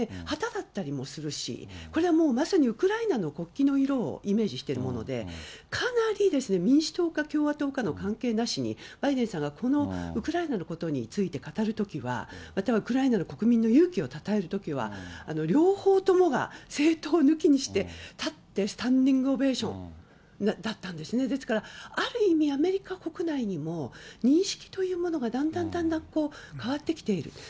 旗だったりもするし、これはもうまさに、ウクライナの国旗の色をイメージしているもので、かなり民主党か共和党かの関係なしに、バイデンさんがこのウクライナことについて語るときは、または、ウクライナの国民の勇気をたたえるときは、両党ともが政党抜きにして立って、スタンディングオベーションだったんですね、だからある意味、アメリカ国内にも認識というものがだんだんだんだん変わってきている。